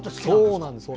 そうなんです。